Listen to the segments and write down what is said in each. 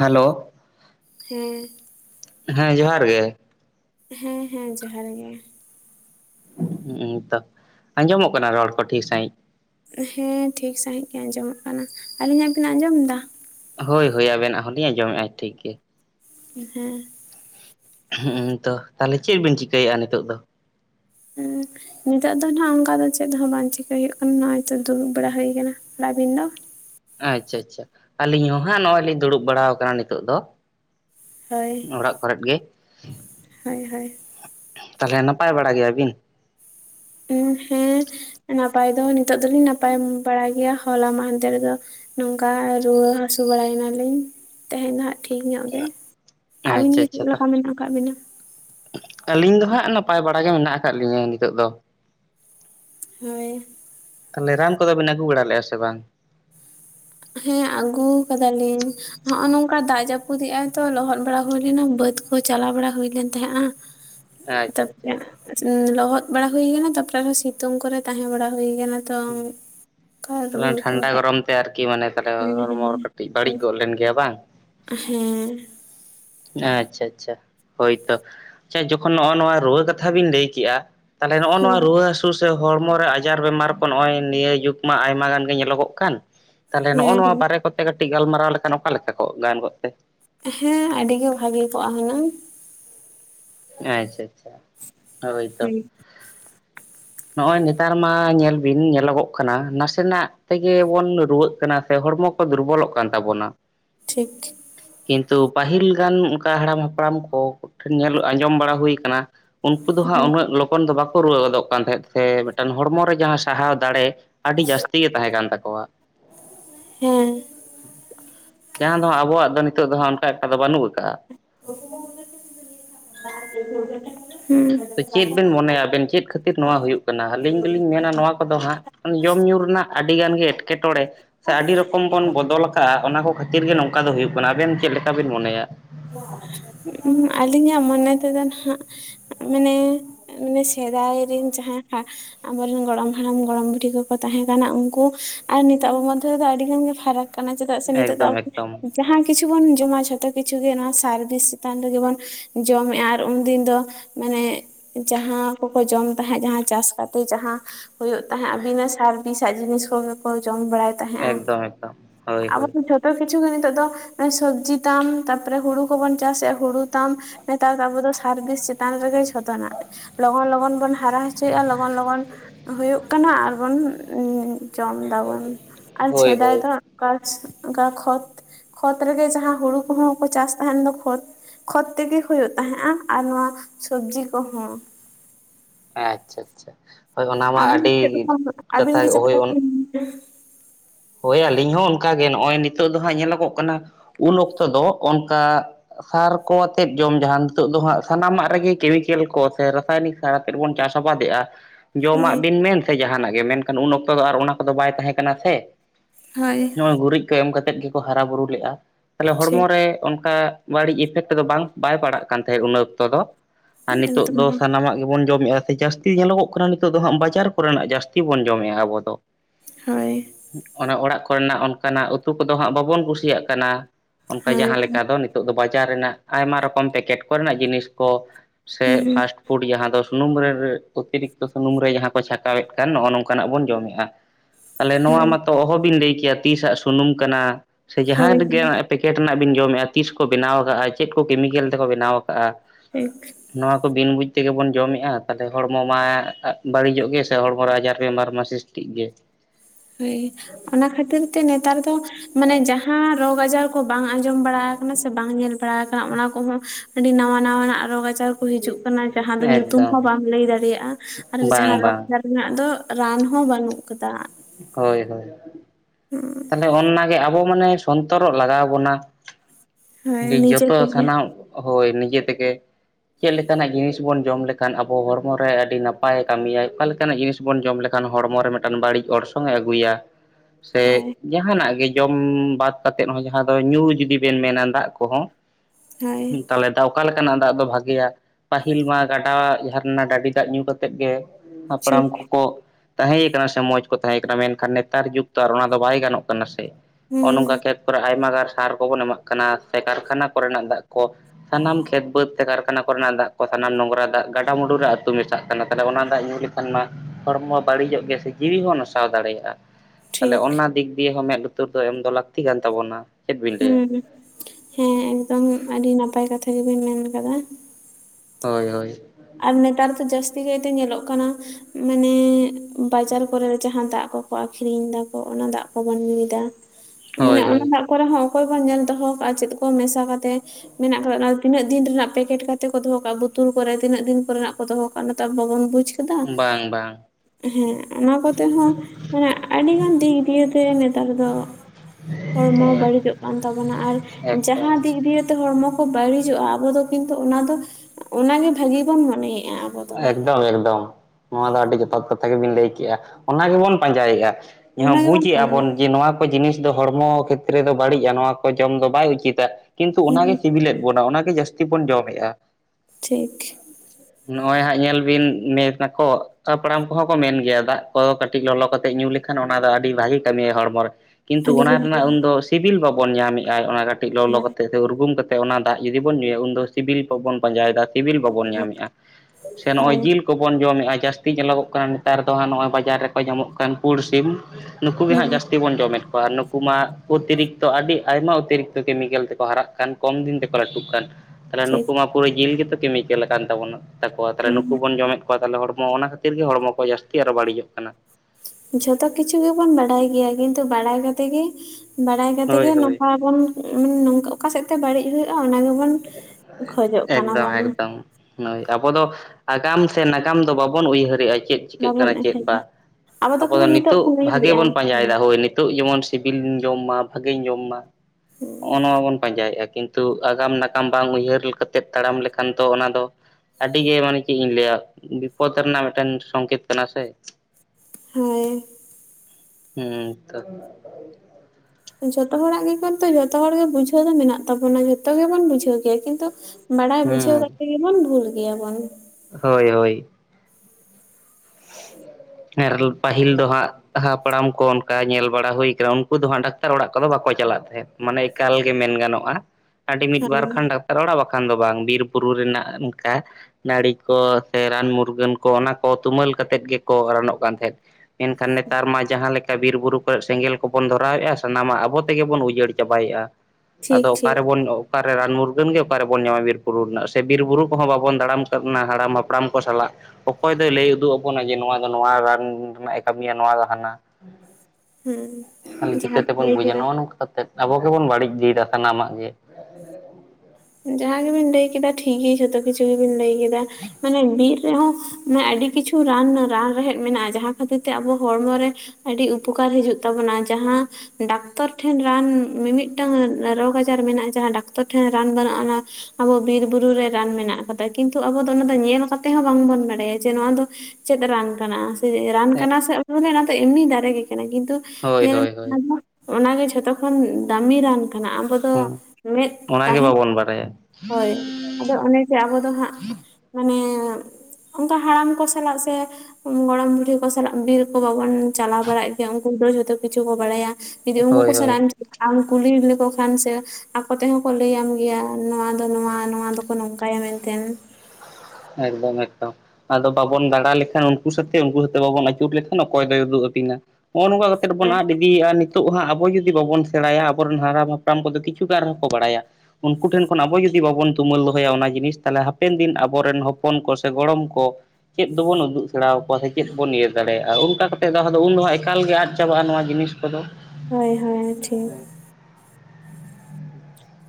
Hello ᱦᱮᱸ ᱦᱮᱸ ᱡᱚᱦᱟᱨ ᱜᱮ᱾ ᱦᱮᱸ ᱦᱮᱸ ᱡᱚᱦᱟᱨ ᱜᱮ᱾ [unintelligible] ᱛᱟ ᱟᱸᱡᱚᱢᱚᱜ ᱠᱟᱱᱟ ᱨᱚᱲ ᱠᱚ ᱴᱷᱤᱠ ᱥᱟᱺᱦᱤᱡ? ᱦᱮᱸ ᱴᱷᱤᱠ ᱥᱟᱺᱦᱤᱡ ᱜᱮ ᱟᱸᱡᱚᱢᱚᱜ ᱠᱟᱱᱟ ᱟᱹᱞᱤᱧᱟᱜ ᱵᱤᱱ ᱟᱸᱡᱚᱢ ᱫᱟ? ᱦᱳᱭ ᱦᱳᱭ ᱟᱵᱮᱱᱟᱜ ᱦᱚᱸᱞᱤᱧ ᱟᱸᱢᱮᱜ-ᱟ ᱴᱷᱤᱠ ᱜᱮ᱾ ᱦᱩᱸ ᱦᱮᱸ ᱦᱩᱸᱜ-ᱩᱸ ᱛᱚ ᱛᱟᱦᱚᱞᱮ ᱪᱮᱫ ᱵᱤᱱ ᱪᱤᱠᱟᱹᱭᱮᱜ-ᱟ ᱱᱮᱛᱚᱜ ᱫᱚ? ᱦᱮᱸ [unintelligible] ᱱᱤᱛᱚᱜ ᱫᱚ ᱱᱟᱜ ᱚᱝᱠᱟ ᱫᱚ ᱪᱮᱫ ᱦᱚᱸ ᱵᱟᱝ ᱪᱤᱠᱟᱹᱭ ᱦᱩᱭᱩᱜ ᱠᱟᱱᱟ ᱱᱚᱜ-ᱚᱭ ᱛᱚ ᱫᱩᱲᱩᱵ ᱵᱟᱲᱟ ᱦᱳᱭ ᱠᱟᱱᱟ᱾ ᱟᱫᱚ ᱟᱵᱤᱱ ᱫᱚ? ᱟᱪᱪᱷᱟ ᱟᱪᱪᱷᱟ ᱟᱹᱞᱤᱧ ᱦᱚᱸ ᱦᱟᱸᱜ ᱱᱚᱜ-ᱚᱭ ᱞᱤᱧ ᱫᱩᱲᱩᱵ ᱵᱟᱲᱟᱣ ᱟᱠᱟᱱᱟ ᱱᱤᱛᱚᱜ ᱫᱚ᱾ ᱦᱳᱭ ᱚᱲᱟᱜ ᱠᱚᱲᱮᱫ ᱜᱮ᱾ ᱦᱳᱭ ᱦᱳᱭ ᱛᱟᱦᱚᱞᱮ ᱱᱟᱯᱟᱭ ᱵᱟᱲᱟ ᱜᱮᱭᱟ ᱵᱤᱱ? ᱦᱩᱸ ᱦᱮᱸ ᱱᱟᱯᱟᱭ ᱫᱚ ᱱᱤᱛᱚᱜ ᱫᱚᱞᱤᱧ ᱱᱟᱯᱟᱭ ᱵᱟᱲᱟᱭ ᱜᱮᱭᱟ ᱦᱚᱞᱟ ᱢᱟᱦᱽᱫᱮᱨ ᱫᱚ ᱱᱚᱝᱠᱟ ᱨᱩᱣᱟᱹ ᱦᱟᱥᱩ ᱵᱟᱲᱟ ᱮᱱᱟᱞᱤᱧ ᱛᱟᱦᱮᱸᱜ ᱦᱟᱜ ᱴᱷᱤᱠ ᱧᱚᱜ ᱜᱮ᱾ ᱟᱹᱵᱤᱱ ᱟᱪᱪᱷᱟ ᱜᱮ ᱟᱪᱪᱷᱟ ᱪᱮᱫ ᱛᱟ ᱞᱮᱠᱟ ᱢᱮᱱᱟᱜ ᱠᱟᱜ ᱵᱤᱱᱟ? ᱟᱹᱞᱤᱧ ᱫᱚ ᱦᱟᱸᱜ ᱱᱟᱯᱟᱭ ᱵᱟᱲᱟ ᱜᱮ ᱢᱮᱱᱟᱜ ᱟᱠᱟᱫ ᱞᱤᱧᱟ ᱱᱤᱛᱚᱜ ᱫᱚ᱾ ᱦᱳᱭ᱾ ᱛᱟᱦᱚᱞᱮ ᱨᱟᱱ ᱠᱚᱫᱚ ᱵᱤᱱ ᱟᱜᱩ ᱵᱟᱲᱟ ᱞᱮᱜ-ᱟ ᱥᱮ ᱵᱟᱝ? ᱦᱮᱸ ᱟᱜᱩ ᱠᱟᱫᱟ ᱞᱤᱧ᱾ ᱦᱚᱜ-ᱱᱚᱝᱠᱟ ᱫᱟᱜ ᱡᱟᱯᱩᱫᱮᱜ-ᱟᱭ ᱛᱚ ᱞᱚᱦᱚᱫ ᱵᱟᱲᱟ ᱦᱩᱭ ᱞᱮᱱᱟ ᱵᱟᱹᱫ ᱠᱚ ᱪᱟᱞᱟᱣ ᱵᱟᱲᱟ ᱦᱩᱭ ᱞᱮᱱ ᱛᱟᱦᱮᱸ-ᱟ᱾ [inaudible] ᱟᱪᱪᱷᱟ ᱟᱪᱪᱷᱟ ᱛᱟᱯᱚᱨᱮ ᱩᱸᱻ ᱞᱚᱦᱚᱫ ᱵᱟᱲᱟ ᱦᱩᱭ ᱠᱟᱱᱟ ᱛᱟᱯᱚᱨᱮ ᱟᱨᱦᱚᱸ ᱥᱤᱛᱩᱝ ᱠᱚᱨᱮ ᱛᱟᱦᱮᱸ ᱵᱟᱲᱟ ᱦᱩᱭ ᱠᱟᱱᱟ ᱛᱚ ᱚᱱᱠᱟ ᱨᱩᱭᱟᱹ ᱠᱚ ᱦᱮᱡ ᱦᱳᱭ ᱟᱨᱠᱤ ᱢᱟᱱᱮ ᱛᱟᱦᱚᱞᱮ ᱦᱚᱲᱢᱚᱲ ᱠᱟᱹᱴᱤᱡ ᱵᱟᱹᱲᱤᱡ ᱜᱚᱫ ᱞᱮᱱ ᱜᱮᱭᱟ ᱵᱟᱝ᱾ ᱦᱮᱸ ᱟᱪᱪᱷᱟ ᱟᱪᱪᱷᱟ ᱦᱳᱭ ᱛᱚ ᱟᱪᱪᱷᱟ ᱡᱚᱠᱷᱚᱱ ᱱᱚᱜ-ᱚᱸ ᱱᱚᱣᱟ ᱨᱩᱣᱟᱹ ᱠᱟᱛᱷᱟ ᱵᱤᱱ ᱞᱟᱹᱭ ᱠᱮᱜ-ᱟ ᱛᱟᱦᱚᱠᱮ ᱱᱚᱜ-ᱚᱸ ᱱᱚᱣᱟ ᱦᱮᱸ ᱨᱩᱣᱟᱹ ᱦᱟᱥ ᱥᱩ ᱥᱮ ᱦᱚᱲᱢᱚ ᱨᱮ ᱟᱡᱟᱨ ᱵᱮᱢᱟᱨ ᱠᱚ ᱱᱚᱜ-ᱚᱭ ᱱᱤᱭᱟᱹ ᱡᱩᱜᱽ ᱢᱟ ᱟᱭᱢᱟ ᱜᱟᱱ ᱜᱮ ᱧᱮᱞᱚᱜᱚᱜ ᱠᱟᱱ᱾ ᱛᱟᱦᱚᱞᱮ ᱱᱚᱜ-ᱚᱸ ᱦᱮᱸ ᱱᱚᱣᱟ ᱵᱟᱨᱮ ᱠᱚᱛᱮ ᱠᱟᱴᱤᱡ ᱜᱟᱞᱢᱟᱨᱟᱣ ᱞᱮᱠᱷᱟᱱ ᱚᱠᱟ ᱞᱮᱠᱟ ᱠᱚᱜ ᱜᱟᱱ ᱠᱚᱜ ᱛᱮ? ᱦᱮᱸ ᱟᱹᱰᱤ ᱜᱮ ᱵᱷᱟᱹᱜᱤ ᱠᱚᱜ-ᱟ ᱦᱩᱱᱟᱹᱝ᱾ ᱟᱪᱪᱷᱟ ᱟᱪᱪᱷᱟ ᱦᱳᱭ ᱛᱚ᱾ ᱦᱮᱸ ᱱᱚᱜ-ᱚᱭ ᱱᱮᱛᱟᱨ ᱢᱟ ᱧᱮᱞ ᱵᱤᱱ ᱧᱮᱞᱚᱜᱚᱜ ᱠᱟᱱᱟ ᱱᱟᱥᱮᱱᱟᱜ ᱛᱮᱜᱮ ᱵᱚᱱ ᱨᱩᱣᱟᱹᱜ ᱠᱟᱱᱟ ᱥᱮ ᱦᱚᱲᱢᱚ ᱠᱚ ᱫᱩᱨᱵᱚᱞᱚᱜ ᱠᱟᱱ ᱛᱟᱵᱚᱱᱟ᱾ ᱴᱷᱤᱠ ᱴᱷᱤᱠ᱾ ᱠᱤᱱᱛᱩ ᱯᱟᱦᱤᱞ ᱜᱟᱱ ᱚᱝᱠᱟ ᱦᱟᱲᱟᱢ ᱦᱟᱯᱲᱟᱢ ᱠᱚ ᱠᱚᱴᱷᱮᱱ ᱧᱮᱞᱚᱜ ᱟᱸᱡᱚᱢ ᱵᱟᱲᱟ ᱦᱩᱭ ᱠᱟᱱᱟ ᱩᱱᱠᱩ ᱫᱚ ᱦᱟᱸᱜ ᱦᱮᱸ ᱩᱱᱟᱹᱜ ᱞᱚ ᱜᱚᱱ ᱫᱚ ᱵᱟᱠᱚ ᱨᱩᱣᱟᱹ ᱦᱚᱫᱚᱜ ᱠᱟᱱ ᱛᱟᱦᱮᱸᱫ ᱥᱮ ᱢᱤᱫᱴᱟᱝ ᱦᱚᱲᱢᱚ ᱨᱮ ᱡᱟᱦᱟᱸ ᱥᱟᱦᱟᱣ ᱫᱟᱲᱮ ᱟᱰᱤ ᱡᱟᱥᱛᱤ ᱜᱮ ᱛᱟᱦᱮᱸ ᱠᱟᱱ ᱛᱟᱠᱚᱣᱟ᱾ ᱦᱮᱸ ᱡᱟᱦᱟᱸ ᱫᱚ ᱦᱟᱸᱜ ᱟᱵᱚᱣᱟᱜ ᱫᱚ ᱱᱤᱛᱚᱜ ᱫᱚ ᱦᱟᱸᱜ ᱚᱱᱠᱟ ᱮᱠᱴᱟ ᱫᱚ ᱵᱟᱹᱱᱩᱜ ᱠᱟᱜ-ᱟ᱾ [unintelligible] ᱛᱚ ᱪᱮᱫ ᱵᱤᱱ ᱢᱚᱱᱮᱭᱟ ᱟᱵᱮᱱ ᱪᱮᱫ ᱠᱷᱟᱹᱛ ᱛᱤᱨ ᱱᱚᱣᱟ ᱦᱩᱭᱩᱜ ᱠᱟᱱᱟ ᱟᱹᱞᱤᱧ ᱫᱩᱞᱤᱧ ᱢᱮᱱᱟ ᱱᱚᱣᱟ ᱠᱚᱫᱚ ᱦᱟᱸᱜ ᱡᱚᱢ ᱧᱩ ᱨᱮᱱᱟᱜ ᱟᱰᱤ ᱜᱟᱱ ᱜᱮ ᱮᱸᱴᱠᱮ ᱴᱚᱸᱬᱮ ᱥᱮ ᱟᱰᱤ ᱨᱚᱠᱚᱢ ᱵᱚᱱ ᱵᱚᱫᱚᱞ ᱠᱟᱜ-ᱟ ᱚᱱᱟ ᱠᱚ ᱠᱷᱟᱛᱤᱨ ᱜᱮ ᱱᱚᱝᱠᱟ ᱫᱚ ᱦᱩᱭᱩᱜ ᱠᱟᱱᱟ ᱟᱵᱮᱱ ᱪᱮᱫ ᱞᱮᱠᱟᱵᱤᱱ ᱢᱚᱱᱮᱭᱟ? [unintelligible] ᱟᱹᱞᱤᱧᱟᱜ ᱢᱚᱱᱮ ᱛᱮᱫᱚ ᱱᱟᱦᱟᱜ ᱢᱟᱱᱮ ᱢᱟᱱᱮ ᱥᱮᱫᱟᱭ ᱨᱤᱱ ᱡᱟᱦᱟᱸ [unintelligible] ᱟᱵᱚᱨᱮᱱ ᱜᱚᱲᱚᱢ ᱦᱟᱲᱟᱢ ᱜᱚᱲᱚᱢ ᱵᱩᱰᱷᱤ ᱠᱚᱠᱚ ᱛᱟᱦᱮᱸ ᱠᱟᱱᱟ ᱩᱝᱠᱩ ᱟᱨ ᱱᱤᱛᱚᱜ ᱟᱵᱚ ᱢᱚᱫᱽᱫᱷᱮ ᱨᱮᱫᱚ ᱟᱰᱤ ᱜᱟᱱ ᱜᱮ ᱯᱷᱟᱨᱟᱠ ᱠᱟᱱᱟ ᱪᱮᱫᱟᱜ ᱥᱮ ᱱᱤᱛᱚᱜ ᱫᱚ ᱮᱠᱫᱚᱢ ᱟᱵᱚ ᱮᱠᱫᱚᱢ ᱡᱟᱦᱟᱸ ᱠᱤᱪᱷᱩ ᱵᱚᱱ ᱡᱚᱢᱟ ᱡᱷᱚᱛᱚ ᱜᱮ ᱠᱤᱪᱷᱩ ᱜᱮ ᱱᱚᱣᱟ ᱥᱟᱨᱫᱤ ᱥᱤᱛᱟᱱ ᱨᱮᱜᱮ ᱵᱚᱱ ᱡᱚᱢᱮᱜ-ᱟ ᱟᱨ ᱩᱱᱫᱤᱱ ᱫᱚ ᱢᱟᱱᱮ ᱡᱟᱦᱟᱸ ᱠᱚᱠᱚ ᱡᱚᱢ ᱛᱟᱦᱮᱸᱜ ᱡᱟᱦᱟᱸ ᱪᱟᱥ ᱠᱟᱛᱮ ᱡᱟᱦᱟᱸ ᱦᱩᱭᱩᱜ ᱛᱟᱦᱮᱸᱜ ᱵᱤᱱᱟᱹ ᱥᱟᱨ ᱵᱤᱥᱟᱜ ᱡᱤᱱᱤᱥ ᱠᱚᱜᱮ ᱠᱚ ᱡᱚᱢ ᱵᱟᱲᱟᱭ ᱛᱟᱦᱮᱸᱜᱼᱟ ᱮᱠᱫᱚᱢ ᱮᱠᱫᱚᱢ ᱦᱳᱭ ᱦᱳᱭ ᱟᱵᱚ ᱡᱷᱚᱛᱚ ᱠᱤᱪᱷᱩ ᱜᱮ ᱱᱤᱛᱚᱜ ᱫᱚ ᱮᱸ ᱥᱚᱵᱡᱤ ᱛᱟᱢ ᱛᱟᱯᱚᱨᱮ ᱦᱩᱲᱩ ᱠᱚᱵᱚᱱ ᱪᱟᱥᱮᱜᱼᱟ ᱦᱩᱲᱩ ᱛᱟᱢ ᱱᱮᱛᱟᱨ ᱫᱚ ᱟᱵᱚ ᱫᱚ ᱥᱟᱨ ᱵᱤᱥ ᱪᱮᱛᱟᱱ ᱨᱮᱜᱮ ᱡᱚ ᱛᱚ ᱱᱟᱜ ᱞᱚᱜᱚᱱ ᱞᱚᱜᱚᱱ ᱵᱚᱱ ᱦᱟᱨᱟ ᱪᱚᱭᱟ ᱞᱚᱜᱚᱱ ᱞᱚᱜᱚᱱ ᱦᱩᱭᱩᱜ ᱠᱟᱱᱟ ᱟᱨᱵᱚᱱ ᱩᱸ ᱡᱚᱢ ᱫᱟᱵᱚᱱ ᱟᱨ ᱦᱳᱭ ᱪᱷᱮᱫᱟᱭ ᱦᱳᱭ ᱫᱚ ᱠᱟᱪ ᱚᱝᱟ ᱠᱷᱚᱛ ᱠᱷᱚᱛ ᱨᱮᱜᱮ ᱡᱟᱦᱟᱸ ᱦᱩᱲᱩ ᱠᱚᱦᱚᱸ ᱠᱚ ᱪᱟᱥ ᱛᱟᱦᱮᱱ ᱫᱚ ᱠᱷᱚᱛ ᱠᱷᱚᱛ ᱛᱮᱜᱮ ᱦᱩᱭᱩᱜ ᱛᱟᱦᱮᱸᱜᱼᱟ ᱟᱨ ᱱᱚᱣᱟ ᱥᱚᱵᱡᱤ ᱠᱚᱦᱚᱸ᱾ ᱦᱮᱸ ᱟᱪᱪᱷᱟ ᱟᱪᱪᱷᱟ ᱦᱳᱭ ᱚᱱᱟ ᱢᱟ ᱟᱹᱵᱤᱱ ᱟᱹᱰᱤ ᱪᱮᱫ ᱞᱮᱠᱟ ᱠᱟᱛᱷᱟ ᱟᱹᱵᱤᱱ ᱜᱮ ᱪᱮᱫ ᱦᱳᱭ ᱚᱱ [inaudible] ᱦᱳᱭ ᱟᱹᱞᱤᱧ ᱦᱚᱸ ᱚᱱᱠᱟᱜ ᱜᱮ ᱱᱚᱜᱼᱚᱭ ᱱᱤᱛᱚᱜ ᱫᱚ ᱦᱟᱸᱜ ᱧᱮᱞᱚᱜᱚᱜ ᱠᱟᱱᱟ ᱩᱞ ᱚᱠᱛᱚ ᱫᱚ ᱚᱝᱠᱟ ᱥᱟᱨ ᱠᱚ ᱟᱛᱮᱫ ᱡᱚᱢ ᱡᱟᱦᱟᱸ ᱱᱤᱛᱚᱜ ᱫᱚ ᱦᱟᱸᱜ ᱥᱟᱱᱟᱢᱟᱜ ᱨᱮᱜᱮ ᱠᱮᱢᱤᱠᱮᱞ ᱠᱚ ᱥᱮ ᱨᱟᱥᱟᱭᱱᱤᱠ ᱥᱟᱨ ᱟᱛᱮᱫ ᱵᱚᱱ ᱪᱟᱥ ᱟᱵᱟᱫᱮᱜᱼᱟ ᱾ ᱦᱳᱭ ᱡᱚᱢᱟᱜ ᱵᱤᱱ ᱢᱮᱱ ᱥᱮ ᱡᱟᱦᱟᱱᱟᱜ ᱜᱮ ᱢᱮᱱᱠᱷᱟᱱ ᱩᱱ ᱚᱠᱛᱚ ᱫᱚ ᱟᱨ ᱚᱱᱟ ᱠᱚᱫᱚ ᱵᱟᱭ ᱛᱟᱦᱮᱸ ᱠᱟᱱᱟ ᱥᱮ᱾ ᱦᱟᱹᱭ ᱾ ᱱᱚᱜᱼᱚᱭ ᱜᱩᱨᱤᱡ ᱠᱚ ᱮᱢ ᱠᱟᱛᱮᱫ ᱜᱮᱠᱚ ᱦᱟᱨᱟ ᱵᱩᱨᱩ ᱞᱮᱜᱼᱟ ᱛᱟᱦᱞᱮ ᱦᱚᱲᱢᱚ ᱴᱷᱤᱠ ᱨᱮ ᱚᱱᱠᱟ ᱵᱟᱹᱲᱤᱡ ᱤᱯᱷᱮᱠᱴ ᱫᱚ ᱵᱟᱝ ᱵᱟᱭ ᱯᱟᱲᱟᱜ ᱠᱟᱱ ᱛᱟᱦᱮᱸᱜ ᱩᱱ ᱚᱠᱛᱚ ᱫᱚ ᱟ ᱱᱤᱛᱚᱜ ᱫᱚ ᱮᱠᱫᱚᱢ ᱥᱟᱱᱟᱢᱟᱜ ᱜᱮᱵᱚᱱ ᱡᱚᱢᱮᱜᱼᱟ ᱥᱮ ᱡᱟᱹᱥᱛᱤ ᱧᱮᱞᱚᱜᱚᱜ ᱠᱟᱱᱟ ᱱᱤᱛᱚᱜ ᱫᱚ ᱦᱟᱸᱜ ᱵᱟᱡᱟᱨ ᱠᱚᱨᱮᱱᱟᱜ ᱡᱟᱹᱥᱛᱤ ᱵᱚᱱ ᱡᱚᱢᱮᱜᱼᱟ ᱟᱵᱚ ᱫᱚ ᱾ ᱦᱟᱹᱭ ᱚᱱᱟ ᱚᱲᱟᱜ ᱠᱚᱨᱮᱱᱟᱜ ᱚᱱᱠᱟᱱᱟᱜ ᱩᱛᱩ ᱠᱚᱫᱚ ᱦᱟᱸᱜ ᱵᱟᱵᱚᱱ ᱠᱩᱥᱤᱭᱟᱜ ᱠᱟᱱᱟ, ᱚᱱᱠᱟ ᱦᱳᱭ ᱡᱟᱦᱟᱸ ᱦᱳᱭ ᱞᱮᱠᱟ ᱫᱚ ᱱᱤᱛ ᱛᱚᱜ ᱫᱚ ᱵᱟᱡᱟᱨ ᱨᱮᱱᱟᱜ ᱟᱭᱢᱟ ᱨᱚᱠᱚᱢ ᱯᱮᱠᱮᱴ ᱠᱚᱨᱮᱱᱟᱜ ᱡᱤᱱᱤᱥ ᱠᱚ ᱥᱮ ᱦᱩᱸ ᱯᱷᱟᱥᱴ ᱯᱷᱩᱰ ᱡᱟᱦᱟᱸ ᱫᱚ ᱥᱩᱱᱩᱢ ᱨᱮ ᱨᱮ ᱚᱛᱤᱨᱤᱠᱛᱚ ᱥᱩᱱᱩᱢ ᱨᱮ ᱡᱟᱦᱟᱸ ᱠᱚ ᱪᱷᱟᱠᱟᱣᱮᱜ ᱠᱟᱱ ᱱᱚᱜᱼᱚ ᱱᱚᱝᱠᱟᱱᱟᱜ ᱵᱚᱱ ᱡᱚᱢᱮᱜᱼᱟ ᱾ ᱛᱟᱞᱮ ᱱᱚᱣᱟ ᱦᱳᱭ ᱢᱟᱛᱚ ᱚᱦᱚ ᱵᱤᱱ ᱞᱟᱹᱭ ᱠᱮᱭᱟ ᱛᱤᱥᱟᱜ ᱥᱩᱱᱩᱢ ᱠᱟᱱᱟ ᱥᱮ ᱦᱳᱭ ᱡᱟᱦᱟᱸ ᱨᱮᱜᱮ ᱦᱳᱭ ᱯᱮᱠᱮᱴ ᱨᱮᱱᱟᱜ ᱵᱤᱱ ᱡᱚᱢᱮᱜᱼᱟ ᱛᱤᱥ ᱠᱚ ᱵᱮᱱᱟᱣ ᱠᱟᱜᱼᱟ ᱪᱮᱜ ᱠᱚ ᱠᱮᱢᱤᱠᱮᱞ ᱛᱮᱠᱚ ᱵᱮᱱᱟᱣ ᱠᱟᱜᱼᱟ᱾ [inaudible] ᱱᱚᱣᱟ ᱠᱚ ᱵᱤᱱ ᱵᱩᱡᱽ ᱛᱮᱜᱮ ᱵᱚᱱ ᱡᱚᱢᱮᱜᱼᱟ ᱛᱟᱦᱞᱮ ᱦᱚᱲᱢᱚ ᱢᱟ ᱵᱟᱹᱲᱤᱡᱚᱜ ᱜᱮ ᱥᱮ ᱦᱚᱲᱢᱚ ᱨᱮ ᱟᱡᱟᱨ ᱨᱮ [unintelligible] ᱴᱷᱤᱠ ᱜᱮ᱾ ᱦᱳᱭ ᱚᱱᱟ ᱠᱷᱟᱹᱛᱤᱨ ᱛᱮ ᱱᱮᱛᱟᱨ ᱫᱚ ᱢᱟᱱᱮ ᱡᱟᱦᱟᱸ ᱨᱳᱜᱽ ᱟᱡᱟᱨ ᱠᱚ ᱵᱟᱝ ᱟᱸᱡᱚᱢ ᱵᱟᱲᱟᱣ ᱠᱟᱱᱟ ᱥᱮ ᱵᱟᱝ ᱧᱮᱞ ᱵᱟᱲᱟᱣ ᱠᱟᱱᱟ ᱚᱱᱟ ᱠᱚᱦᱚᱸ ᱟᱹᱰᱤ ᱱᱟᱣᱟ ᱱᱟᱣᱟᱱᱟᱜ ᱨᱳᱜᱽ ᱡᱟᱨ ᱠᱚ ᱦᱤᱡᱩᱜ ᱠᱟᱱᱟ ᱡᱟᱦᱟᱸ ᱫᱚ ᱧᱩᱛᱩᱢ ᱮᱠᱫᱚᱢ ᱦᱚᱸ ᱵᱟᱢ ᱞᱟᱹᱭ ᱫᱟᱲᱮᱭᱟᱜᱼᱟ ᱟᱨ ᱵᱟᱝ ᱡᱟᱦᱟᱸ ᱨᱳᱜᱽ ᱵᱟᱝ ᱡᱟᱨ ᱨᱮᱱᱟᱜ ᱫᱚ ᱨᱟᱱ ᱦᱚᱸ ᱵᱟᱹᱱᱩᱜ ᱠᱟᱫᱟ ᱾ ᱦᱳᱭ ᱦᱳᱭ ᱛᱟᱦᱞᱮ ᱚᱱᱱᱟ ᱜᱮ ᱟᱵ ᱵᱚ ᱢᱟᱱᱮ ᱥᱚᱱᱛᱚᱨᱚᱜ ᱞᱟᱜᱟᱣ ᱵᱚᱱᱟ ᱦᱳᱭ ᱱᱤᱡᱮ ᱡᱚ-ᱡᱚᱛᱚ ᱛᱮᱜᱮ ᱥᱟᱱᱟᱢ ᱦᱳᱭ ᱱᱤᱡᱮ ᱛᱮ ᱜᱮ ᱪᱮᱜ ᱞᱮᱠᱟᱱᱟᱜ ᱡᱤᱱᱤᱥ ᱵᱚᱱ ᱡᱚᱢ ᱞᱮᱠᱷᱟᱱ ᱟᱵᱚ ᱦᱚᱲᱢᱚ ᱨᱮ ᱟᱹᱰᱤ ᱱᱟᱯᱟᱭᱮ ᱠᱟᱹᱢᱤᱭᱟᱭ ᱚᱠᱟ ᱞᱮᱠᱟᱱᱟᱜ ᱡᱤᱱᱤᱥ ᱵᱚᱱ ᱡᱚᱢ ᱞᱮᱠᱷᱟᱱ ᱦᱚᱲᱢᱚ ᱨᱮ ᱢᱤᱫᱴᱟᱝ ᱵᱟᱹᱲᱤᱡ ᱚᱨᱥᱚᱝ ᱮ ᱟᱹᱜᱩᱭᱟ ᱥᱮ ᱦᱳᱭ ᱡᱟᱦᱟᱱᱟᱜ ᱜᱮ ᱡᱚᱢ ᱵᱟᱫ ᱠᱟᱛᱮᱫ ᱦᱚᱸ ᱡᱟᱦᱟᱸ ᱫᱚ ᱧᱩ ᱡᱩᱫᱤ ᱵᱮᱱ ᱢᱮᱱᱟ ᱫᱟᱜ ᱠᱚᱦᱚᱸ ᱦᱳᱭ ᱛᱟᱦᱞᱮ ᱛᱟ ᱚᱠᱟ ᱞᱮᱠᱟᱱᱟᱜ ᱫᱟᱜ ᱫᱚ ᱵᱷᱟᱜᱮᱭᱟ ᱯᱟᱹᱦᱤᱞ ᱢᱟ ᱜᱟᱰᱟᱣᱟᱜ ᱡᱷᱟᱨᱱᱟ ᱰᱟᱹᱰᱤ ᱫᱟᱜ ᱧᱩ ᱠᱟᱛᱮᱫ ᱜᱮ ᱴᱷᱤᱠ ᱦᱟᱯᱲᱟᱢ ᱠᱚᱠᱚ ᱛᱟᱦᱮᱸᱭ ᱠᱟᱱᱟ ᱥᱮ ᱢᱚᱡᱽ ᱠᱚ ᱛᱟᱦᱮᱸ ᱠᱟᱱᱟ ᱢᱮᱱᱠᱷᱟᱱ ᱱᱮᱛᱟᱨ ᱡᱩᱜᱽ ᱛᱚ ᱟᱨ ᱚᱱᱟ ᱫᱚ ᱵᱟᱭ ᱜᱟᱱᱚᱜ ᱠᱟᱱᱟ ᱥᱮ ᱱᱚᱜᱼᱚ ᱱᱚᱝᱠᱟ ᱦᱩᱸ ᱠᱷᱮᱛ ᱠᱚᱨᱮᱜ ᱦᱟᱭᱢᱟ ᱜᱟᱱ ᱥᱟᱨ ᱠᱚᱵᱚᱱ ᱮᱢᱟᱜ ᱠᱟᱱᱟ ᱥᱮ ᱠᱟᱨᱠᱷᱟᱱᱟ ᱠᱚᱨᱮᱱᱟᱜ ᱫᱟᱜ ᱠᱚ ᱥᱟᱱᱟᱢ ᱠᱷᱮᱛ ᱵᱟᱹᱫᱽ ᱛᱮ ᱠᱟᱨᱠᱷᱟᱱᱟ ᱠᱚ ᱨᱮᱱᱟᱜ ᱫᱟᱜ ᱠᱚ ᱥᱟᱱᱟᱢ ᱱᱚᱝᱨᱟ ᱫᱟᱜ ᱜᱟᱰᱟ ᱢᱩᱸᱰᱩ ᱨᱮ ᱟᱹᱛᱩ ᱢᱮᱥᱟᱜ ᱠᱟᱱᱟ ᱛᱟᱦᱞᱮ ᱚᱱᱟ ᱫᱟᱜ ᱧᱩ ᱠᱷᱟᱱ ᱢᱟ ᱦᱚᱲᱢᱚ ᱵᱟᱹᱲᱤᱡᱚᱜ ᱜᱮᱭᱟ ᱥᱮ ᱡᱤᱣᱤ ᱦᱚᱸ ᱱᱟᱥ ᱥᱟᱣ ᱫᱟᱲᱮᱭᱟᱜᱼᱟ ᱛᱟᱦᱞᱮ ᱴᱷᱤᱠ ᱚᱱᱟ ᱫᱤᱠ ᱫᱤᱭᱮ ᱦᱚᱸ ᱢᱮᱸᱫ ᱞᱩᱛᱩᱨ ᱫᱚ ᱮᱢ ᱫᱚ ᱞᱟᱹᱠᱛᱤ ᱠᱟᱱ ᱛᱟᱵᱚᱱᱟ ᱾ ᱦᱩᱸ ᱦᱮᱸ ᱮᱠᱫᱚᱢ ᱟᱹᱰᱤ ᱱᱟᱯᱟᱭ ᱠᱟᱛᱷᱟ ᱜᱮᱵᱤᱱ ᱢᱮᱱ ᱠᱟᱫᱟ ᱾ ᱦᱳᱭ ᱦᱳᱭ᱾ ᱟᱨ ᱱᱮᱛᱟᱨ ᱫᱚ ᱡᱟᱹᱥᱛᱤ ᱜᱮ ᱠᱟᱭᱛᱮ ᱧᱮᱞᱚᱜ ᱠᱟᱱᱟ ᱢᱟᱱᱮ ᱵᱟᱡᱟᱨ ᱠᱚᱨᱮ ᱡᱟᱦᱟᱸ ᱫᱟᱜ ᱠᱚ ᱠᱚ ᱟᱠᱷᱨᱤᱧ ᱫᱟᱠᱚ ᱚᱱᱟ ᱫᱟᱜ ᱠᱚᱵᱚᱱ ᱧᱩᱭ ᱫᱟ ᱦᱳᱭ ᱢᱟᱱᱮ ᱚᱱᱟ ᱦᱳᱭ ᱫᱟᱜ ᱠᱚᱨᱮᱦᱚᱸ ᱚᱠᱚᱭ ᱵᱚᱱ ᱧᱮᱞ ᱫᱚᱦᱚ ᱠᱟᱜᱼᱟ ᱪᱮᱫ ᱠᱚ ᱢᱮᱥᱟ ᱠᱟᱛᱮ ᱢᱮᱱᱟᱜ ᱠᱟᱫᱟ ᱚᱱᱟ ᱛᱤᱱᱟᱹᱜ ᱫᱤᱱ ᱨᱮᱱᱟᱜ ᱯᱮᱠᱮᱴ ᱠᱟᱛᱮ ᱠᱚ ᱫᱚᱦᱚ ᱠᱟᱜᱼᱟ ᱵᱳᱛᱳᱨ ᱠᱚᱨᱮ ᱛᱤᱱᱟᱹᱜ ᱫᱤᱱ ᱠᱚ ᱨᱮᱱᱟᱜ ᱠᱚ ᱫᱚᱦᱚ ᱠᱟᱜᱼᱟ ᱱᱮᱛᱟᱨ ᱵᱟᱵᱚᱱ ᱵᱩᱡᱽ ᱠᱟᱫᱟ ᱵᱟᱝ ᱵᱟᱝ᱾ ᱦᱮᱸ ᱚᱱᱟ ᱠᱚᱛᱮ ᱦᱚᱸ ᱢᱟᱱᱮ ᱟᱹᱰᱤᱜᱟᱱ ᱫᱤᱜ ᱫᱤᱭᱮ ᱛᱮ ᱱᱮᱛᱟᱨ ᱫᱚ ᱦᱚᱲᱢᱚ ᱦᱳᱭ ᱵᱟᱲᱤᱡᱚᱜ ᱠᱟᱱ ᱛᱟᱵᱚᱱᱟ ᱟᱨ ᱮᱠᱫᱚᱢ ᱡᱟᱦᱟᱸ ᱫᱤᱠ ᱫᱤᱭᱮ ᱛᱮ ᱦᱚᱲᱢᱚ ᱠᱚ ᱵᱟᱹᱲᱤᱡᱚᱜᱼᱟ ᱟᱵᱚ ᱫᱚ ᱠᱤᱱᱛᱩ ᱚᱱᱟ ᱫᱚ ᱚᱱᱟᱜᱮ ᱵᱷᱟᱜᱤ ᱵᱚᱱ ᱢᱚᱱᱮᱜ ᱮᱠᱫᱚᱢ ᱮᱠᱫᱚᱢ᱾ ᱱᱚᱣᱟ ᱫᱚ ᱟᱹᱰᱤ ᱡᱚᱛᱷᱟᱛ ᱠᱟᱛᱷᱟ ᱜᱮᱵᱤᱱ ᱞᱮᱹᱭ ᱠᱮᱜᱼᱟ ᱚᱱᱟ ᱜᱮᱵᱚᱱ ᱯᱟᱧᱡᱟᱭᱮᱜᱼᱟ ᱡᱟᱦᱟᱸ ᱚᱱᱟ ᱵᱩᱡ ᱜᱮᱵᱚᱱ ᱮᱼᱟ ᱵᱚᱱ ᱯᱟᱸᱡᱟᱭᱮᱫ ᱡᱮ ᱱᱚᱣᱟ ᱱᱚᱣᱟ ᱠᱚ ᱡᱤᱱᱤᱥ ᱫᱚ ᱦᱚᱲᱢᱚ ᱠᱷᱮᱛᱨᱮ ᱫᱚ ᱵᱟᱹᱲᱤᱡᱼᱟᱜ ᱱᱚᱣᱟ ᱠᱚ ᱡᱚᱢ ᱫᱚ ᱵᱟᱭ ᱩᱪᱤᱛᱟ ᱾ ᱠᱤᱱᱛᱩ ᱦᱩᱸ ᱚᱱᱟᱜᱮ ᱥᱤᱵᱤᱞᱮᱜ ᱵᱚᱱᱟ ᱚᱱᱟᱜᱮ ᱡᱟᱹᱥᱛᱤ ᱵᱚᱱ ᱡᱚᱢᱮᱜ-ᱟ᱾ ᱴᱷᱤᱠ᱾ ᱱᱚᱜᱼᱚᱭ ᱦᱟᱸᱜ ᱧᱮᱞ ᱵᱤᱱ ᱢᱮᱱᱟᱠᱚ ᱦᱟᱯᱲᱟᱢ ᱠᱚᱦᱚᱸ ᱠᱚ ᱢᱮᱱ ᱜᱮᱭᱟ ᱫᱟᱜ ᱠᱚ ᱠᱟᱹᱴᱤᱜ ᱞᱚᱞᱚ ᱠᱟᱛᱮ ᱧᱩ ᱞᱮ ᱠᱷᱟᱱ ᱚᱱᱟ ᱫᱚ ᱟᱹᱰᱤ ᱵᱷᱟᱹᱜᱤ ᱠᱟᱹᱢᱤᱭᱟ ᱦᱚᱲᱢᱚ ᱨᱮ᱾ ᱠᱤᱱᱛᱩ ᱟᱹᱰᱤᱜᱮ ᱚᱱᱟ ᱵᱷᱟᱹᱜᱤ ᱨᱮᱱᱟᱜ ᱩᱱᱫᱚ ᱥᱤᱵᱤᱞ ᱵᱟᱵᱚᱱ ᱧᱟᱢᱮᱜ-ᱟ ᱚᱱᱟ ᱠᱟᱹᱴᱤᱜ ᱞᱚᱞᱚ ᱠᱟᱛᱮᱜ ᱥᱮ ᱩᱨᱜᱩᱢ ᱠᱟᱛᱮᱜ ᱚᱱᱟ ᱫᱟᱜ ᱡᱩᱫᱤ ᱵᱚᱱ ᱧᱩᱭᱟ ᱩᱱᱫᱚ ᱥᱤᱵᱤᱞ ᱵᱟᱵᱚᱱ ᱯᱟᱧᱡᱟᱭᱫᱟ ᱥᱤᱵᱤᱞ ᱵᱟᱵᱚᱱ ᱧᱟᱢᱮᱜᱼᱟ᱾ ᱥᱮ ᱟᱨ ᱱᱚᱜᱼᱚᱭ ᱡᱤᱞ ᱠᱚᱵᱚᱱ ᱡᱚᱢᱮᱜ-ᱟ ᱡᱟᱹᱥᱛᱤ ᱧᱮᱞᱚᱜᱚᱜ ᱠᱟᱱ ᱱᱮᱛᱟᱨ ᱫᱚ ᱦᱟᱸᱜ ᱱᱳᱭᱟ ᱵᱟᱡᱟᱨ ᱨᱮᱠᱚ ᱧᱟᱢᱚᱜ ᱠᱟᱱ ᱯᱩᱲ ᱥᱤᱢ ᱱᱩᱠᱩ ᱜᱮ ᱦᱟᱸᱜ ᱦᱩᱸ ᱡᱟᱹᱥᱛᱤ ᱵᱚᱱ ᱡᱚᱢᱮᱫ ᱵᱟᱨ ᱱᱩᱠᱩ ᱢᱟ ᱚᱛᱤᱨᱤᱠᱛᱚ ᱟᱹᱰᱤ ᱟᱭᱢᱟ ᱚᱛᱤᱨᱤᱠᱛᱚ ᱠᱮᱢᱤᱠᱮᱞ ᱛᱮᱠᱚ ᱦᱟᱨᱟᱜ ᱠᱟᱱ ᱠᱚᱢ ᱫᱤᱱ ᱛᱮᱠᱚ ᱞᱟᱹᱴᱩᱜ ᱠᱟᱱ ᱛᱟᱦᱮᱞᱮ ᱴᱷᱤᱠ ᱱᱩᱠᱩ ᱢᱟ ᱯᱩᱨᱟᱹ ᱡᱤᱞ ᱜᱮᱛᱚ ᱠᱮᱢᱤ ᱠᱮᱞ ᱞᱟᱠᱟᱱ ᱛᱟᱵᱚᱱᱟ ᱛᱟᱨᱯᱚᱨ ᱛᱟᱦᱮᱞᱮ ᱦᱩᱸ ᱱᱩᱠᱩ ᱵᱚᱱ ᱡᱚᱢᱮᱫ ᱠᱚ ᱛᱟᱦᱮᱞᱮ ᱦᱚᱲᱢᱚ ᱚᱱᱟ ᱠᱷᱟᱹᱛᱤᱨ ᱜᱮ ᱦᱚᱲᱢᱚ ᱠᱚ ᱡᱟᱹᱥᱛᱤ ᱟᱨᱚ ᱵᱟᱹᱲᱤᱡᱚᱜ ᱠᱟᱱᱟ᱾ ᱡᱷᱚᱛᱚ ᱠᱤᱪᱷᱩ ᱜᱮᱵᱚᱱ ᱵᱟᱰᱟᱭ ᱜᱮᱭᱟ ᱠᱤᱱᱛᱩ ᱵᱟᱲᱟᱭ ᱠᱟᱛᱮ ᱜᱮ ᱵᱟᱲᱟᱭ ᱠᱟᱛᱮ ᱜᱮ ᱦᱳᱭ ᱦᱳᱭ ᱱᱚᱝᱠᱟ ᱵᱚᱱ ᱢᱟᱱ ᱱᱚᱝᱠᱟ ᱚᱠᱟᱥᱮᱜ ᱛᱮ ᱵᱟᱹᱲᱤᱜ ᱦᱩᱭᱩᱜᱼᱟ ᱚᱱᱟᱜᱮ ᱮᱠᱫᱚᱢ ᱮᱠᱫᱚᱢ᱾ ᱦᱚᱭ ᱟᱵᱚ ᱫᱚ ᱟᱜᱟᱢ ᱥᱮ ᱱᱟᱜᱟᱢ ᱫᱚ ᱵᱟᱵᱚᱱ ᱩᱭᱦᱟᱹᱨᱮᱜᱼᱟ ᱪᱮᱫ ᱾ ᱪᱤᱠᱟᱹᱜ ᱵᱟᱵᱚᱱ ᱠᱟᱱᱟ ᱪᱮᱜ ᱵᱟ ᱩᱭᱦᱟᱹᱨᱟ ᱟᱵᱚ ᱠᱷᱟᱹᱞᱤ ᱫᱚ ᱱᱤᱛᱚᱜ ᱵᱚᱱ ᱱᱤᱛᱳᱜ ᱵᱷᱟᱜᱮ ᱩᱭᱦᱟᱹᱨᱮᱜᱼᱟ ᱵᱚᱱ ᱯᱟᱧᱡᱟᱭᱫᱟ ᱦᱳᱭ ᱱᱤᱛ ᱛᱚᱜ ᱡᱮᱢᱚᱱ ᱥᱤᱵᱤᱞᱤᱧ ᱡᱚᱢ ᱢᱟ ᱵᱷᱟᱜᱤᱧ ᱡᱚᱢ ᱢᱟ ᱦᱚᱜᱼᱚ ᱱᱚᱣᱟ ᱵᱚᱱ ᱯᱟᱧᱡᱟᱭᱮᱜᱼᱟ ᱠᱤᱱ ᱛᱩ ᱟᱜᱟᱢ ᱱᱟᱜᱟᱢ ᱵᱟᱝ ᱩᱭᱦᱟᱹᱨ ᱞᱮᱠᱟᱛᱮᱛ ᱛᱟᱲᱟᱢ ᱞᱮᱠᱷᱟᱱ ᱫᱚ ᱚᱱᱟ ᱫᱚ ᱟᱹᱰᱤ ᱜᱮ ᱢᱟᱱᱮ ᱪᱮᱜ ᱤᱧ ᱞᱮᱭᱟ ᱵᱤᱯᱚᱫ ᱨᱮᱱᱟᱜ ᱢᱮᱜᱴᱮᱱ ᱥᱚᱝᱠᱮᱛ ᱠᱟᱱᱟ ᱥᱮ᱾ ᱦᱮᱭ ᱾ ᱦᱩᱸ ᱛᱚ᱾ ᱡᱷᱚᱛᱚ ᱦᱚᱲᱟᱜ ᱜᱮ ᱠᱤᱱᱛᱩ ᱡᱚᱛᱚ ᱦᱚᱲ ᱜᱮ ᱵᱩᱡᱷᱟᱹᱣ ᱫᱚ ᱢᱮᱱᱟᱜ ᱛᱟᱵᱚᱱᱟ ᱡᱷᱚᱛᱚ ᱜᱮᱵᱚᱱ ᱵᱩᱡᱷᱟᱹᱣ ᱜᱮᱭᱟ ᱠᱤᱱᱛᱩ ᱵᱟᱰᱟᱭ ᱵᱩᱡᱷᱟᱹᱣ ᱦᱩᱸ ᱠᱟᱛᱮ ᱜᱮᱵᱚᱱ ᱵᱷᱩᱞ ᱜᱮᱭᱟᱵᱚᱱ᱾ ᱦᱳᱭ ᱦᱳᱭ᱾ ᱮᱨᱞ ᱯᱟᱹᱦᱤᱞ ᱫᱚ ᱦᱟᱸᱜ ᱦᱟᱯᱲᱟᱢ ᱠᱚ ᱚᱱᱠᱟ ᱧᱮᱞ ᱵᱟᱲᱟ ᱦᱩᱭ ᱠᱟᱱᱟ ᱩᱱᱠᱩ ᱫᱚ ᱦᱟᱸᱜ ᱰᱟᱠᱛᱟᱨ ᱚᱲᱟᱜ ᱠᱚᱫᱚ ᱵᱟᱠᱚ ᱪᱟᱞᱟᱜ ᱛᱟᱦᱮᱸᱫ᱾ ᱢᱟᱱᱮ ᱮᱠᱟᱞ ᱜᱮ ᱢᱮᱱ ᱜᱟᱱᱚᱜᱼᱟ ᱟᱹᱰᱤ ᱢᱤᱫ ᱵᱟᱨ ᱦᱮᱸ ᱠᱷᱟᱱᱰᱟᱵ ᱟᱨᱚᱲᱟ ᱵᱟᱠᱷᱟᱱ ᱫᱚ ᱵᱟᱝ ᱵᱤᱨ ᱵᱩᱨᱩ ᱨᱮᱱᱟᱜ ᱱᱩᱝᱠᱟ ᱱᱟᱹᱲᱤ ᱠᱚ ᱥᱮ ᱨᱟᱱ ᱢᱩᱨᱜᱟᱹᱱ ᱠᱚ ᱚᱱᱟ ᱠᱚ ᱛᱩᱢᱳᱹᱞ ᱠᱟᱛᱮᱫ ᱜᱮᱠᱚ ᱨᱟᱱᱚᱜ ᱠᱟᱱ ᱛᱟᱦᱮᱸᱫ ᱮᱱᱠᱷᱟᱱ ᱱᱮᱛᱟᱨ ᱢᱟ ᱡᱟᱦᱟᱸ ᱞᱮᱠᱟ ᱵᱤᱨ ᱵᱩᱨᱩ ᱥᱮᱸᱜᱮᱞ ᱠᱚᱵᱚᱱ ᱫᱷᱚᱨᱟᱣᱮᱜᱼᱟ ᱥᱟᱱᱟᱢᱟᱜ ᱟᱵᱚ ᱛᱮᱜᱮ ᱵᱚᱱ ᱩᱡᱟᱹᱲ ᱪᱟᱵᱟᱭᱮᱜᱼᱟ ᱴᱷᱤᱠ ᱾ᱟᱫᱚ ᱴᱷᱤᱠ ᱚᱠᱟᱨᱮᱵᱚᱱ ᱚᱠᱟᱨᱮ ᱨᱟᱱ ᱢᱩᱨᱜᱟᱹᱱ ᱜᱮ ᱚᱠᱟᱨᱮᱵᱚᱱ ᱧᱟᱢᱟ ᱵᱤᱨ ᱵᱩᱨᱩ ᱨᱮᱱᱟᱜ ᱥᱮ ᱵᱤᱨ ᱵᱩᱨᱩ ᱠᱚᱦᱚᱸ ᱵᱟᱵᱚᱱ ᱫᱟᱲᱟᱢ ᱠᱟᱦᱱᱟ ᱦᱟᱲᱟᱢ ᱦᱟᱯᱲᱟᱢ ᱠᱚ ᱥᱟᱞᱟᱜ ᱾ ᱚᱠᱚᱭ ᱫᱚᱭ ᱞᱟᱹᱭ ᱩᱫᱩᱜ ᱟᱵᱚᱱᱟ ᱡᱮ ᱱᱚᱣᱟ ᱫᱚ ᱱᱚᱣᱟ ᱨᱟᱱ ᱨᱮᱱᱟᱜ ᱮ ᱠᱟᱹᱢᱤᱭᱟ ᱱᱚᱣᱟ ᱫᱚ ᱦᱟᱱᱟ ᱾ ᱦᱩᱸ [unintelligible] ᱡᱟᱦᱟᱸᱢ ᱞᱟᱹᱭ ᱪᱤᱠᱟᱹᱛᱮᱵᱚᱱ ᱵᱩᱡᱟ ᱠᱮᱫᱟ ᱱᱚᱜᱼᱚ ᱱᱚᱝᱠᱟ ᱠᱟᱛᱮ ᱟᱵᱚ ᱜᱮᱵᱚᱱ ᱵᱟᱹᱲᱤᱡ ᱤᱫᱤᱭᱮᱫᱟ ᱥᱟᱱᱟᱢᱟᱜ ᱜᱮ ᱾ ᱡᱟᱦᱟᱸ ᱜᱮᱵᱮᱱ ᱞᱟᱹᱭ ᱠᱮᱫᱟ ᱴᱷᱤᱜᱤ ᱡᱷᱚᱛᱚ ᱠᱤᱪᱷᱩ ᱜᱮᱵᱤᱱ ᱞᱟᱹᱭ ᱠᱮᱫᱟ ᱢᱟᱱᱮ ᱵᱤᱨ ᱨᱮᱦᱚᱸ [unintelligible] ᱟᱹᱰᱤ ᱠᱤᱪᱷᱩ ᱨᱟᱱ ᱨᱟᱱ ᱨᱮᱦᱮᱫ ᱢᱮᱱᱟᱜᱼᱟ ᱡᱟᱦᱟᱸ ᱠᱷᱟᱹᱛᱤᱨ ᱛᱮ ᱟᱵᱚ ᱦᱚᱲᱢᱚ ᱨᱮ ᱟᱹᱰᱤ ᱩᱯᱚᱠᱟᱨ ᱦᱤᱡᱩᱜ ᱛᱟᱵᱚᱱᱟ ᱡᱟᱦᱟᱸ ᱰᱟᱠᱛᱚᱨ ᱴᱷᱮᱱ ᱨᱟᱱ ᱢᱤᱢᱤᱫᱴᱟᱝ ᱨᱳᱜᱽ ᱟᱡᱟᱨ ᱢᱮᱱᱟᱜᱼᱟ ᱡᱟᱦᱟᱸ ᱰᱟᱠᱛᱚᱨ ᱴᱷᱮᱱ ᱨᱟᱱ ᱵᱟᱹᱱᱩᱜᱼᱟ ᱾ᱚᱱᱟ ᱟᱵᱚ ᱵᱤᱨᱵᱩᱨᱩ ᱨᱮ ᱨᱟᱱ ᱢᱮᱱᱟᱜ ᱠᱟᱫᱟ ᱠᱤᱱᱛᱩ ᱟᱵᱚ ᱫᱚ ᱚᱱᱟ ᱫᱚ ᱧᱮᱞ ᱠᱟᱛᱮᱜ ᱦᱚᱸ ᱵᱟᱝᱵᱚᱱ ᱵᱟᱲᱟᱭᱟ ᱡᱮ ᱱᱚᱣᱟ ᱫᱚ ᱪᱮᱫ ᱨᱟᱱ ᱠᱟᱱᱟ ᱾ [unintelligible] ᱨᱟᱱ ᱠᱟᱱᱟ ᱥᱮ ᱚᱱᱟ ᱫᱚ ᱮᱢᱱᱤ ᱫᱟᱨᱮ ᱜᱮ ᱠᱟᱱᱟ ᱠᱤᱱᱛᱩ ᱦᱳᱭ ᱧᱮᱞ ᱦᱳᱭ ᱦᱳᱭ [inaudible] ᱚᱱᱟᱜᱮ ᱡᱷᱚᱛᱚ ᱠᱷᱚᱱ ᱫᱟᱢᱤ ᱨᱟᱱ ᱠᱟᱱᱟ ᱟᱵᱚ ᱫᱚ ᱦᱩᱸ ᱢᱮᱫ ᱚᱱᱟᱜᱮ ᱛᱟᱦᱮᱱ ᱵᱟᱵᱚᱱ ᱵᱟᱰᱟᱭᱟ ᱾ ᱦᱳᱭ ᱟᱫᱚ ᱚᱱᱮ ᱡᱮ ᱟᱵᱚ ᱫᱚ ᱦᱟᱸᱜ ᱢᱟᱱᱮ ᱚᱝᱠᱟ ᱦᱟᱲᱟᱢ ᱠᱚ ᱥᱟᱞᱟᱜ ᱥᱮ ᱜᱚᱲᱚᱢ ᱵᱩᱰᱷᱤ ᱠᱚ ᱥᱟᱞᱟᱜ ᱵᱤᱨ ᱠᱚ ᱵᱟᱵᱚᱱ ᱪᱟᱞᱟᱣ ᱵᱟᱲᱟᱜ ᱜᱮᱭᱟ ᱩᱱᱠᱩ ᱫᱚ ᱡᱷᱚᱛᱚ ᱠᱤᱪᱷᱩ ᱠᱚ ᱵᱟᱲᱟᱭᱟ ᱾ ᱡᱩᱫᱤ ᱩᱱᱠᱩ ᱦᱳᱭ ᱠᱚ ᱥᱮ ᱦᱳᱭ [inaudible] ᱟᱢ ᱠᱩᱞᱤ ᱞᱮᱠᱚ ᱠᱷᱟᱱ ᱥᱮ ᱟᱠᱚ ᱛᱮᱦᱚᱸ ᱠᱚ ᱞᱟᱹᱭᱟᱢ ᱜᱮᱭᱟ ᱱᱚᱣᱟ ᱫᱚ ᱱᱚᱣᱟ ᱱᱚᱣᱟ ᱫᱚᱠᱚ ᱱᱚᱝᱠᱟᱭᱟ ᱢᱮᱱᱛᱮ ᱾ ᱮᱠᱫᱚᱢ ᱮᱠᱫᱚᱢ ᱾ ᱟᱫᱚ ᱵᱟᱵᱚᱱ ᱫᱟᱲᱟ ᱞᱮᱠᱷᱟᱱ ᱩᱱᱠᱩ ᱥᱟᱛᱮ ᱩᱱᱠᱩ ᱥᱟᱛᱮ ᱵᱟᱵᱚᱱ ᱟᱹᱪᱩᱨ ᱞᱮᱠᱷᱟᱱ ᱚᱠᱚᱭ ᱫᱚᱭ ᱩᱫᱩᱜ ᱟᱛᱤᱱᱟ ᱚᱼᱱᱚᱝᱠᱟ ᱠᱟᱛ ᱛᱮᱫ ᱵᱚᱱ ᱟᱫ ᱤᱫᱤᱭᱟ ᱾ ᱛᱳᱜ ᱦᱟᱸᱜ ᱟᱵᱚ ᱡᱩᱫᱤ ᱵᱟᱵᱚᱱ ᱥᱮᱲᱟᱭᱟ ᱟᱵᱚᱨᱮᱱ ᱦᱟᱲᱟᱢ ᱦᱟᱯᱲᱟᱢ ᱠᱚᱫᱚ ᱠᱤᱪᱷᱩ ᱜᱟᱱ ᱨᱮᱦᱚᱸ ᱠᱚ ᱵᱟᱲᱟᱭᱟ ᱾ ᱩᱱᱠᱩ ᱴᱷᱮᱱ ᱠᱷᱚᱱ ᱟᱵᱚ ᱡᱩᱫᱤ ᱵᱟᱵᱚᱱ ᱛᱩᱢᱟᱹᱞ ᱫᱚᱦᱚᱭᱟ ᱚᱱᱟ ᱡᱤᱱᱤᱥ ᱛᱟᱦᱞᱮ ᱦᱟᱯᱮᱱ ᱫᱤᱱ ᱟᱵ ᱵᱚᱨᱮᱱ ᱦᱚᱯᱚᱱ ᱠᱚ ᱥᱮ ᱜᱚᱲᱚᱢ ᱠᱚ ᱾ ᱪᱮᱜ ᱫᱚᱵᱚᱱ ᱩᱫᱩᱜ ᱥᱮᱲᱟᱣ ᱠᱚᱣᱟ ᱥᱮ ᱪᱮᱜ ᱵᱚᱱ ᱤᱭᱟᱹ ᱫᱟᱲᱮᱭᱟᱜᱼᱟ ᱚᱝᱠᱟ ᱠᱟᱛᱮᱫ ᱟᱫᱚ ᱩᱱ ᱫᱚ ᱮᱠᱟᱞᱜᱮ ᱟᱫ ᱾ ᱪᱟᱵᱟᱜᱼᱟ ᱱᱚᱣᱟ ᱡᱤᱱᱤᱥ ᱠᱚᱫᱚ ᱾ ᱦᱳᱭ ᱦᱳᱭ ᱴᱷᱤᱠ ᱾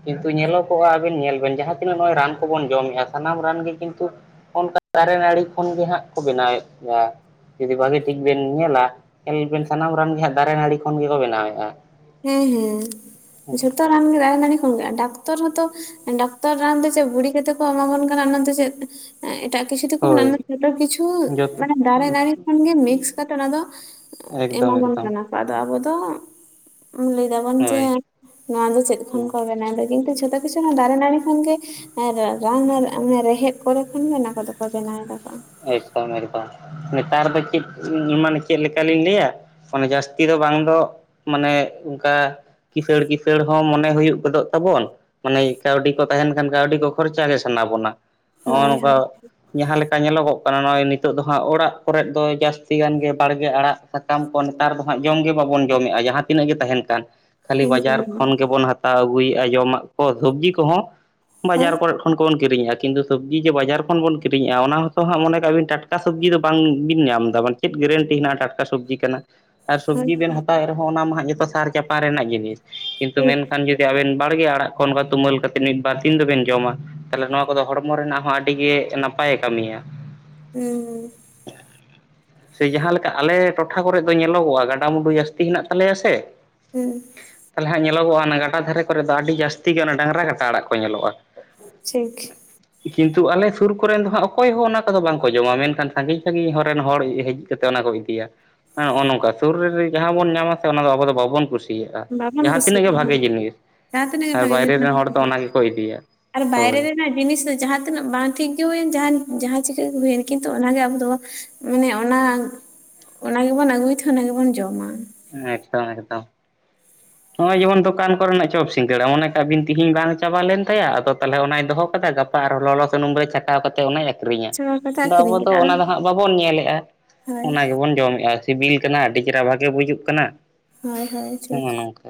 ᱠᱤᱱᱛᱩ ᱧᱮᱞᱚᱜᱚᱜᱼᱟ ᱟᱵᱤᱱ ᱧᱮᱞ ᱵᱤᱱ ᱡᱟᱦᱟᱸ ᱛᱤᱱᱟᱹᱜ ᱱᱚᱜᱼᱚᱭ ᱨᱟᱱ ᱠᱚᱵᱚᱱ ᱡᱚᱢᱮᱜᱼᱟ ᱥᱟᱱᱟᱢ ᱨᱟᱱ ᱜᱮ ᱠᱤᱱᱛᱩ ᱾ ᱚᱱᱠᱟ ᱫᱟᱨᱮ ᱱᱟᱹᱲᱤ ᱠᱷᱚᱱ ᱜᱮ ᱦᱟᱸᱜ ᱠᱚ ᱵᱮᱱᱟᱣᱮᱫ ᱜᱮᱭᱟ ᱾ ᱡᱩᱫᱤ ᱵᱷᱟᱜᱮ ᱴᱷᱤᱠ ᱵᱤᱱ ᱧᱮᱞᱟ ᱧᱮᱞ ᱵᱤᱱ ᱥᱟᱱᱟᱢ ᱨᱟᱱ ᱜᱮ ᱦᱟᱸᱜ ᱫᱟᱨᱮ ᱱᱟᱹᱲᱤ ᱠᱷᱚᱱ ᱜᱮᱠᱚ ᱵᱮᱱᱟᱣᱮᱜᱼᱟ ᱾ ᱦᱮᱸ ᱦᱮᱸ ᱾ ᱡᱷᱚᱛᱚ ᱨᱟᱱ ᱜᱮ ᱫᱟᱨᱮ ᱱᱟᱲᱤ ᱠᱷᱚᱱ ᱜᱮ ᱰᱟᱠᱛᱚᱨ ᱦᱚᱸᱛᱚ ᱰᱟᱠᱛᱚᱨ ᱨᱟᱱ ᱫᱚ ᱪᱮᱜ ᱵᱩᱲᱤ ᱠᱟᱛᱮ ᱠᱚ ᱮᱢᱟᱵᱚᱱ ᱠᱟᱱᱟ ᱟᱱᱚ ᱫᱚ ᱪᱮᱫ? ᱮᱸ ᱮᱴᱟᱜ ᱠᱤᱪᱷᱩ ᱛᱮᱠᱚ ᱦᱳᱭ ᱢᱮᱱᱟᱜᱼᱟ [inaudible] ᱡᱚᱛᱚ ᱠᱤᱪᱷᱩ ᱡᱚᱛ ᱢᱟᱱᱮ ᱫᱟᱨᱮ ᱱᱟᱹᱲᱤ ᱠᱷᱚᱱ ᱢᱤᱠᱥ ᱠᱟᱛᱮᱫ ᱚᱱᱟ ᱫᱚ ᱾ ᱮᱠᱫᱚᱢ ᱾ ᱠᱚ ᱠᱟᱱᱟ ᱠᱚ ᱟᱫᱚ ᱟᱵᱚ ᱫᱚ ᱾ ᱞᱮᱭ ᱫᱟᱵᱚᱱ ᱡᱮ ᱦᱳᱭ ᱱᱚᱣᱟ ᱫᱚ ᱪᱮᱫ ᱠᱷᱚᱱ ᱦᱮᱸ ᱠᱚ ᱵᱮᱱᱟᱣ ᱫᱟ ᱠᱤᱱᱛᱩ ᱡᱷᱚᱛᱚ ᱠᱤᱪᱷᱩ ᱫᱟᱨᱮ ᱱᱟᱹᱲᱤ ᱠᱷᱚᱱᱜᱮ ᱾ ᱮᱲ ᱨᱟᱱ ᱟᱨ ᱚᱱᱮ ᱨᱮᱦᱮᱫ ᱠᱚᱨᱮ ᱠᱷᱚᱱ ᱢᱮᱱᱟ ᱠᱚᱫᱚ ᱠᱚ ᱵᱮᱱᱟᱣ ᱫᱟ ᱠᱚ ᱾ ᱮᱠᱫᱚᱢ ᱮᱠᱫᱚᱢ ᱱᱮᱛᱟᱨ ᱫᱚ ᱪᱮᱫ ᱢᱟᱱᱮ ᱪᱮᱜ ᱞᱮᱠᱟᱞᱤᱧ ᱞᱮᱭᱟ ᱾ ᱢᱟᱱᱮ ᱡᱟᱹᱥᱛᱤ ᱫᱚ ᱵᱟᱝ ᱫᱚ ᱢᱟᱱᱮ ᱚᱝᱠᱟ ᱾ ᱠᱤᱥᱟᱹᱲ ᱠᱤᱥᱟᱹᱲ ᱦᱚᱸ ᱢᱚᱱᱮ ᱦᱩᱭᱩᱜ ᱜᱚᱫᱚᱜ ᱛᱟᱵᱚᱱ ᱾ ᱢᱟᱱᱮ ᱠᱟᱹᱣᱰᱤ ᱠᱚ ᱛᱟᱦᱮᱱ ᱠᱷᱟᱱ ᱠᱟᱹᱣᱰᱤ ᱠᱚ ᱠᱷᱚᱨᱪᱟ ᱜᱮ ᱥᱟᱱᱟ ᱵᱚᱱᱟ ᱱᱚᱜᱼᱚ ᱦᱳᱭ ᱦᱳᱭ ᱱᱚᱝᱠᱟ ᱡᱟᱦᱟᱸ ᱞᱮᱠ ᱠᱟ ᱧᱮᱞᱚᱜ ᱚᱜ ᱠᱟᱱᱟ ᱱᱚᱜᱼᱚᱭ ᱱᱤᱛᱚᱜ ᱫᱚ ᱦᱟᱸᱜ ᱚᱲᱟᱜ ᱠᱚᱨᱮᱫ ᱫᱚ ᱡᱟᱹᱥᱛᱤ ᱜᱟᱱ ᱜᱮ ᱵᱟᱲᱜᱮ ᱟᱲᱟᱜ ᱥᱟᱠ ᱠᱟᱢ ᱠᱚ ᱱᱮᱛᱟᱨ ᱫᱚ ᱦᱟᱸᱜ ᱡᱚᱢ ᱜᱮ ᱵᱟᱵᱚᱱ ᱡᱚᱢᱮᱫᱼᱟ ᱡᱟᱦᱟᱸ ᱛᱤᱱᱟᱹᱜ ᱜᱮ ᱛᱟᱦᱮᱱ ᱠᱟᱱ ᱠᱷᱟᱹᱞᱤ ᱮᱠᱫᱚᱢ ᱵᱟᱡᱟᱨ ᱠᱷᱚᱱ ᱜᱮᱵᱚᱱ ᱦᱟᱛ ᱛᱟᱣ ᱟᱹᱜᱩᱭᱼᱟ ᱡᱚᱢᱟᱜ ᱠᱚ ᱥᱚᱵᱽᱡᱤ ᱠᱚᱦᱚᱸ ᱦᱳᱭ ᱵᱟᱡᱟᱨ ᱠᱚᱨᱮ ᱾ [inaudible] ᱠᱚᱵᱚᱱ ᱠᱤᱨᱤᱧᱮᱜᱼᱟ ᱠᱤᱱᱛᱩ ᱥᱚᱵᱡᱤ ᱡᱮ ᱵᱟᱡᱟᱨ ᱠᱷᱚᱱ ᱵᱚᱱ ᱠᱤᱨᱤᱧᱮᱫᱼᱟ ᱚᱱᱟ ᱦᱚᱸ ᱛᱚ ᱦᱟᱸᱜ ᱢᱚᱱᱮ ᱠᱟᱜ ᱵᱤᱱ ᱴᱟᱴᱠᱟ ᱥᱚᱵᱡᱤ ᱫᱚ ᱵᱟᱝᱵᱤᱱ ᱧᱟᱢ ᱮᱫᱟ ᱢᱟᱱᱮ ᱪᱮᱫ ᱜᱮᱨᱮᱱᱴᱤ ᱦᱮᱱᱟᱜᱼᱟ ᱴᱟᱴᱠᱟ ᱥᱚᱵᱽᱡᱤ ᱠᱟᱱᱟ᱾ ᱟᱨ ᱦᱳᱭ ᱥᱚᱵᱡᱤ ᱵᱤᱱ ᱦᱟᱛᱟᱣᱮᱫ ᱨᱮᱦᱚᱸ ᱚᱱᱟ ᱢᱟ ᱦᱟᱸᱜ ᱡᱚᱛᱚ ᱥᱟᱨ ᱪᱟᱯᱟᱱ ᱨᱮᱱᱟᱜ ᱡᱤᱱᱤᱥ, ᱠᱤᱱᱛᱩ ᱴᱷᱤᱠ ᱢᱮᱱᱠᱷᱟᱱ ᱡᱩ ᱡᱮ ᱟᱵᱮᱱ ᱵᱟᱲᱜᱮ ᱟᱲᱟᱜ ᱠᱚ ᱚᱱᱠᱟ ᱛᱩᱢᱟᱹᱞ ᱠᱟᱛᱮ ᱢᱤᱫ ᱵᱟᱨ ᱫᱤᱱ ᱫᱚᱵᱤᱱ ᱡᱚᱢᱟ, ᱛᱟᱦᱚᱞᱮ ᱱᱚᱣᱟ ᱠᱚᱫᱚ ᱦᱚᱲᱢᱚ ᱨᱮᱱᱟᱜ ᱦᱚᱸ ᱟᱹᱰᱤ ᱜᱮ ᱱᱟᱯᱟᱭᱮ ᱠᱟᱹᱢᱤᱭᱟ᱾ ᱦᱩᱸ᱾ ᱥᱮ ᱡᱟᱦᱟᱸ ᱞᱮᱠᱟ ᱟᱞᱮ ᱴᱚᱴᱷᱟ ᱠᱚᱨᱮᱜ ᱫᱚ ᱧᱮᱞᱚᱜᱚᱜᱼᱟ ᱜᱟᱰᱟᱼᱢᱩᱰᱩ ᱡᱟᱹᱥᱛᱤ ᱦᱮᱱᱟᱜ ᱛᱟᱞᱮᱭᱟ ᱥᱮ᱾ ᱦᱮᱸ᱾ ᱛᱟᱞᱦᱮ ᱦᱟᱸᱜ ᱧᱮᱞᱚᱜᱚᱜᱼᱟ ᱚᱱᱟ ᱜᱟᱰᱟ ᱫᱷᱟᱨᱮ ᱠᱚᱨᱮ ᱫᱚ ᱟᱹᱰᱤ ᱡᱟᱹᱥᱛᱤ ᱜᱮ ᱚᱱᱟ ᱰᱟᱝᱨᱟ ᱠᱟᱴᱟ ᱟᱲᱟᱜ ᱠᱚ ᱧᱮᱞᱚᱜᱼᱟ᱾ ᱴᱷᱤᱠ᱾ ᱠᱤᱱᱛᱩ ᱟᱞᱮ ᱥᱩᱨ ᱠᱚᱨᱮᱱ ᱫᱚ ᱦᱟᱸᱜ ᱚᱠᱚᱭ ᱦᱚᱸ ᱚᱱᱟ ᱠᱚᱫᱚ ᱵᱟᱝᱠᱚ ᱡᱚᱢᱟ, ᱢᱮᱱᱠᱷᱟᱱ ᱥᱟᱜᱤᱧ ᱥᱟᱜᱤᱧ ᱦᱚᱨᱮᱱ ᱦᱚᱲ ᱦᱮᱡ ᱠᱟᱛᱮ ᱚᱱᱟ ᱠᱚ ᱤᱫᱤᱭᱟ᱾ ᱦᱮᱸ ᱦᱚᱸᱜᱼᱚ ᱱᱚᱝᱠᱟ ᱥᱩᱨ ᱨᱮ ᱡᱟᱦᱟᱸ ᱵᱚᱱ ᱧᱟᱢᱟ ᱥᱮ ᱚᱱᱟ ᱫᱚ ᱟᱵᱚ ᱫᱚ ᱵᱟᱵᱚᱱ ᱠᱩᱥᱤᱭᱟᱜᱼᱟ᱾ ᱥᱤᱭᱟᱜ-ᱟ ᱵᱟᱵᱚᱱ ᱡᱟᱦᱟᱸ ᱛᱤᱱᱟᱹᱜ ᱜᱮ ᱵᱷᱟᱜᱮ ᱠᱩᱥᱤᱭᱟᱜᱼᱟ ᱡᱤᱱᱤᱥ, ᱡᱟᱦᱟᱸ ᱛᱤᱱᱟᱹᱜ ᱜᱮ ᱟᱨ ᱵᱷᱟᱜᱮ ᱵᱟᱭᱨᱮ ᱡᱤᱱᱤᱥ ᱵᱟᱝ ᱨᱮᱱ ᱦᱚᱲ ᱫᱚ ᱚᱱᱟ ᱠᱩᱥᱤᱭᱟᱜᱼᱟ ᱜᱮᱠᱚ ᱤᱫᱤᱭᱟ ᱟᱨ ᱵᱟᱭᱨᱮ ᱦᱳᱭ᱾ ᱨᱮᱱᱟᱜ ᱡᱤᱱᱤᱥ ᱫᱚ ᱡᱟᱦᱟᱸ ᱛᱤᱱᱟᱹᱜ ᱵᱟᱝ ᱴᱷᱤᱠ ᱜᱮ ᱦᱩᱭᱮᱱ ᱡᱟᱦᱟᱱ ᱡᱟᱦᱟᱸ ᱪᱤᱠᱟᱹ ᱜᱮ ᱦᱩᱭᱮᱱ ᱠᱤᱱᱛᱩ ᱚᱱᱟ ᱜᱮ ᱟᱵᱚ ᱫᱚ ᱢᱟᱱᱮ ᱚᱱᱟ, ᱚᱱᱟ ᱜᱮᱵᱚᱱ ᱟᱹᱜᱩᱭ ᱛᱮ ᱚᱱᱟ ᱜᱮᱵᱚᱱ ᱡᱚᱢᱟ᱾ ᱮᱠᱫᱚᱢ ᱮᱠᱫᱚᱢ᱾ ᱦᱚᱸᱜᱼᱚᱭ ᱡᱮᱢᱚᱱ ᱫᱚᱠᱟᱱ ᱠᱚᱨᱮᱱᱟᱜ ᱪᱚᱯ ᱥᱤᱜᱟᱹᱲᱟ ᱢᱚᱱᱮ ᱠᱟᱜ ᱵᱤᱱ ᱛᱤᱦᱤᱧ ᱵᱟᱝ ᱪᱟᱵᱟ ᱞᱮᱱ ᱛᱟᱭᱟ ᱟᱫᱚ ᱛᱟᱞᱦᱮ ᱚᱱᱟᱭ ᱫᱚᱦᱚ ᱠᱟᱫᱟ ᱜᱟᱯ ᱯᱟ ᱟᱨᱚ ᱞᱚᱞᱚ ᱥᱩᱱᱩᱢ ᱨᱮ ᱪᱷᱟᱠᱟᱣ ᱠᱟᱛᱮ ᱚᱱᱟᱭ ᱟᱹᱠᱷᱨᱤᱧᱟ, ᱪᱷᱟᱲᱟ ᱠᱟᱛᱮ ᱟᱫᱚ ᱟᱹᱠᱷᱨᱤᱧ ᱟᱵᱚ ᱫᱚ ᱠᱮᱫᱟ ᱚᱱᱟ ᱫᱚ ᱦᱟᱸᱜ ᱵᱟᱵᱚᱱ ᱧᱮᱞᱮᱫ-ᱟ, ᱦᱳᱭ ᱚᱱᱟ ᱜᱮᱵᱚᱱ ᱡᱚᱢᱮᱫ-ᱟ᱾ ᱥᱤᱵᱤᱞ ᱠᱟᱱᱟ ᱟᱹᱰᱤ ᱪᱮᱨᱦᱟ ᱵᱷᱟᱜᱮ ᱵᱩᱡᱩᱜ ᱠᱟᱱᱟ᱾ ᱦᱳᱭ ᱦᱳᱭ ᱴᱷᱤᱠ᱾ ᱱᱚᱜᱼᱚ ᱱᱚᱝᱠᱟ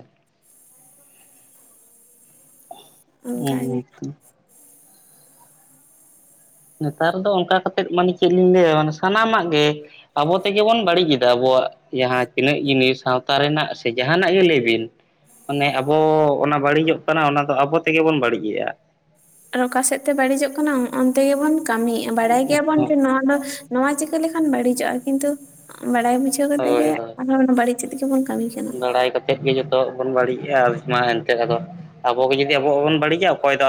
ᱚᱱᱠᱟᱜᱮ ᱦᱮᱸ ᱛᱚ᱾ ᱱᱮᱛᱟᱨ ᱫᱚ ᱚᱱᱠᱟ ᱠᱟᱛᱮᱫ ᱢᱟᱱᱮ ᱪᱮᱫ ᱞᱤᱧ ᱞᱟᱹᱭᱟ ᱢᱟᱱᱮ ᱥᱟᱱᱟᱢᱟᱜ ᱜᱮ ᱟᱵᱚ ᱛᱮᱜᱮ ᱵᱚᱱ ᱵᱟᱹᱲᱤᱡ ᱮᱫᱟ ᱟᱵᱚᱣᱟᱜ ᱡᱟᱦᱟᱸ ᱛᱤᱱᱟᱹᱜ ᱡᱤᱱᱤᱥ ᱥᱟᱶᱛᱟ ᱨᱮᱱᱟᱜ ᱥᱮ ᱡᱟᱦᱟᱱᱟᱜ ᱜᱮ ᱞᱟᱹᱭ ᱵᱤᱱ᱾ ᱢᱟᱱᱮ ᱟᱵᱚ ᱚᱱᱟ ᱵᱟᱹᱲᱤᱡᱚᱜ ᱠᱟᱱᱟ ᱚᱱᱟ ᱫᱚ ᱟᱵᱚ ᱛᱮᱜᱮ ᱵᱚᱱ ᱵᱟᱹᱲᱤᱡᱮᱫ-ᱟ᱾ ᱟᱨ ᱚᱠᱟ ᱥᱮᱫ ᱛᱮ ᱵᱟᱹᱲᱤᱡᱚᱜ ᱠᱟᱱᱟ ᱚᱱᱛᱮ ᱜᱮᱵᱚᱱ ᱠᱟᱹᱢᱤᱭᱮᱫ-ᱟ, ᱵᱟᱲᱟᱭ ᱜᱮᱭᱟ ᱵᱚᱱ ᱡᱮ ᱱᱚᱣᱟ ᱫᱚ ᱱᱚᱣᱟ ᱪᱤᱠᱟᱹ ᱞᱮᱠᱷᱟᱱ ᱵᱟᱹᱲᱤᱡᱚᱜ-ᱟ ᱠᱤᱱᱛᱩ, ᱵᱟᱲᱟᱭ ᱵᱩᱡᱷᱟ. ᱡᱷᱟᱹᱣ ᱠᱟᱛᱮ ᱜᱮ ᱦᱳᱭ ᱦᱳᱭ ᱟᱨᱦᱚᱸ ᱵᱟᱹᱲᱤᱡ ᱪᱮᱫ ᱜᱮᱵᱚᱱ ᱠᱟᱹᱢᱤ ᱠᱟᱱᱟ᱾ ᱛᱮᱫ ᱜᱮ ᱡᱚᱛᱚᱣᱟᱜ ᱵᱚᱱ ᱵᱟᱹᱲᱤᱡ-ᱟ ᱟᱨ ᱢᱟ ᱮᱱᱛᱮᱫ ᱟᱫᱚ, ᱟᱵᱚ ᱜᱮ ᱡᱩᱫᱤ ᱟᱵᱚᱣᱟᱜ ᱵᱚᱱ ᱵᱟᱹᱲᱤᱡᱟ ᱚᱠᱚᱭ ᱫᱚ ᱟ